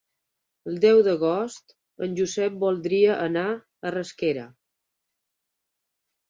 El deu d'agost en Josep voldria anar a Rasquera.